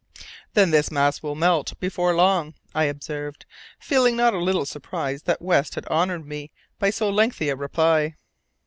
"Then this mass will melt before long," I observed, feeling not a little surprised that West had honoured me by so lengthy a reply.